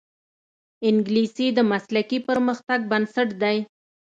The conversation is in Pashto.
انګلیسي د مسلکي پرمختګ بنسټ دی